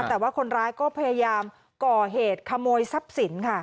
แต่ว่าคนร้ายก็พยายามก่อเหตุขโมยทรัพย์สินค่ะ